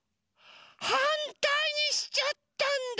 はんたいにしちゃったんだ！